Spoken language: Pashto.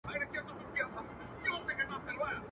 چي اوبه تر ورخ اوښتي نه ستنېږي.